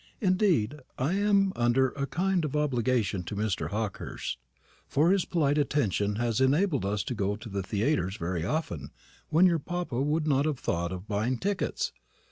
Indeed, I am under a kind of obligation to Mr. Hawkehurst, for his polite attention has enabled us to go to the theatres very often when your papa would not have thought of buying tickets.